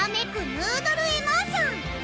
ヌードル・エモーション！